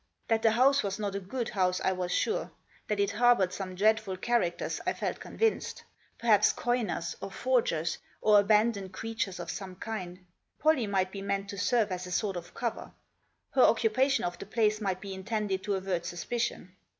That the house was not a good house I was sure ; that it harboured some dreadful characters I felt convinced ; perhaps coiners, ot forgers, or abandoned creatures of some kind. Pollie might be meant to serve as a sort of cover. Her occupation of the place might be intended to avert suspicion.